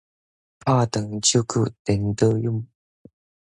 拍斷手骨顛倒勇